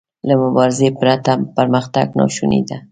له مبارزې پرته پرمختګ ناشونی دی.